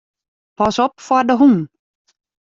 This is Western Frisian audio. Pas op foar de hûn.